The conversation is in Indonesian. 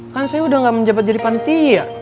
kan saya udah gak menjabat jadi panitia